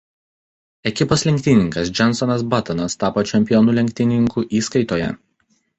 Ekipos lenktynininkas Jensonas Buttonas tapo čempionu lenktynininkų įskaitoje.